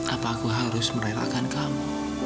apa aku harus merelakan kamu